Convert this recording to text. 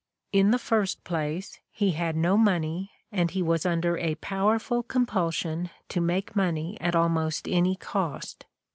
In the first place, he had no money, and he was under a powerful compulsion to make money at almost any cost.